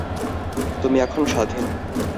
তুমি এখন স্বাধীন।